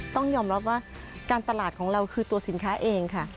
ต้องยอมรับว่าการตลาดของเราคือตัวสินค้าเองค่ะ